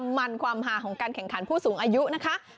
ตามไปดูกันว่าเขามีการแข่งขันอะไรที่เป็นไฮไลท์ที่น่าสนใจกันค่ะ